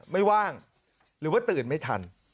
ว่างหรือว่าตื่นไม่ทัน